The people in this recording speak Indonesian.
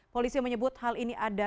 polisi menyebut hal ini ada